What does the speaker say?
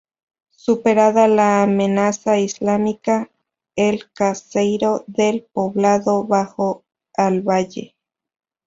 Superada la amenaza islámica el caserío del poblado bajó al valle.